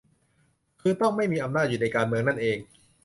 คือต้องไม่มีอำนาจอยู่ในการเมืองนั่นเอง